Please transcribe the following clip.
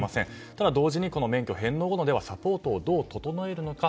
ただ同時に免許返納後のサポートをどうするのか。